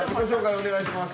お願いします。